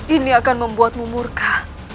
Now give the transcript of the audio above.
ini akan membuatmu murka